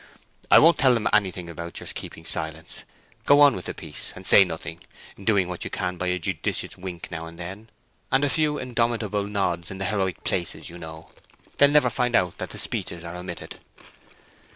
"I won't tell 'em anything about your keeping silence; go on with the piece and say nothing, doing what you can by a judicious wink now and then, and a few indomitable nods in the heroic places, you know. They'll never find out that the speeches are omitted."